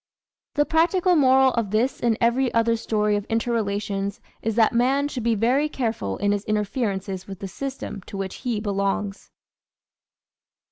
The practical moral of this and every other story of inter relations is that man should be very careful in his interferences with the system to which he belongs.